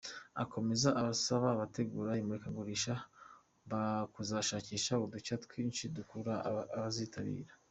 Akomeza asaba abategura imurikagurisha kuzashakisha udushya twinshi dukurura abazitabira.